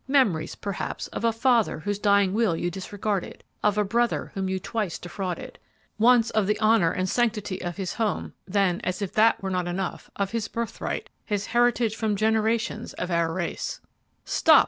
Memories, perhaps, of a father whose dying will you disregarded; of a brother whom you twice defrauded, once of the honor and sanctity of his home, then, as if that were not enough, of his birthright, his heritage from generations of our race ' "'Stop!'